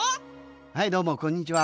はいどうもこんにちは。